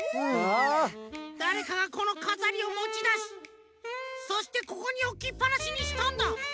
だれかがこのかざりをもちだしそしてここにおきっぱなしにしたんだ。